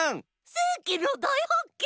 せいきのだいはっけん！